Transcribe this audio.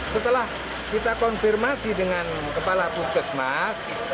setelah kita konfirmasi dengan kepala puskesmas